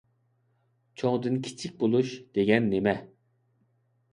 «چوڭدىن كىچىك بولۇش» دېگەن نېمە؟